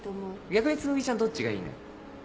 逆につむぎちゃんどっちがいいのよ？